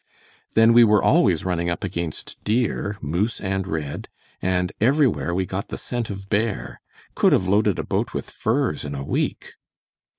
Then we were always running up against deer, moose and red, and everywhere we got the scent of bear. Could have loaded a boat with furs in a week."